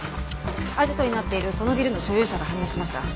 アジトになっているこのビルの所有者が判明しました。